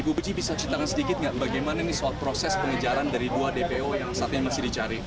ibu puji bisa ceritakan sedikit nggak bagaimana ini soal proses pengejaran dari dua dpo yang saat ini masih dicari